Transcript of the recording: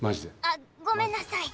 あっごめんなさい！